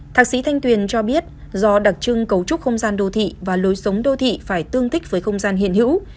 thạc sĩ thanh tuyền cho biết do đặc trưng cấu trúc không gian đô thị và lối sống đô thị phải tương thích với không gian hiện hữu